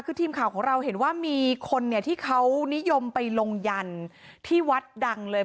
คือทีมข่าวของเราเห็นว่ามีคนเนี่ยที่เขานิยมไปลงยันที่วัดดังเลย